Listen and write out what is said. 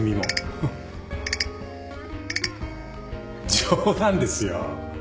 冗談ですよ。